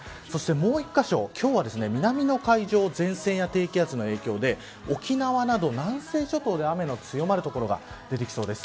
もう１カ所、きょう南の海上前線や低気圧の影響で沖縄など南西諸島で雨が強まる所が出てきそうです。